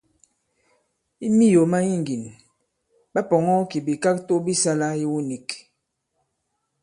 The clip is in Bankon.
I miyò ma iŋgìn, ɓa pɔ̀ŋɔ kì bìkakto bi sālā iwu nīk.